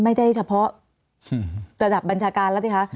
ไม่ได้เฉพาะระดับบัญชาการแล้วสิคะ